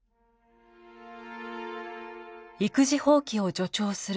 「育児放棄を助長する」